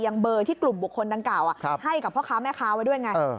เบอร์ที่กลุ่มบุคคลดังกล่าวให้กับพ่อค้าแม่ค้าไว้ด้วยไง